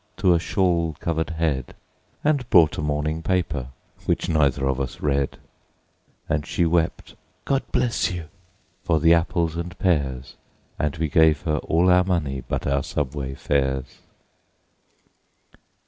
to a shawl covered head, And bought a morning paper, which neither of us read; And she wept, "God bless you!" for the apples and pears, And we gave her all our money but our subway fares.